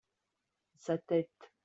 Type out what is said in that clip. sa tête.